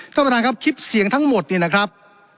ท่านประธานครับคลิปเสียงทั้งหมดเนี่ยนะครับ